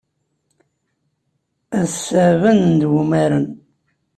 Ass-a, banen-d umaren.